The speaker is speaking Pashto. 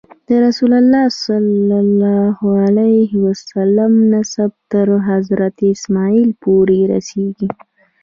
د رسول الله نسب تر حضرت اسماعیل پورې رسېږي.